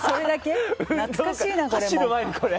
懐かしいな、これも。